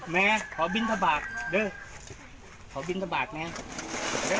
แม่ขอบินทะบาทเนอะขอบินทะบาทเนี่ย